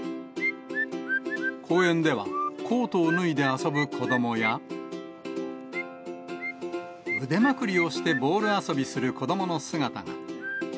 公園では、コートを脱いで遊ぶ子どもや、腕まくりをしてボール遊びする子どもの姿が。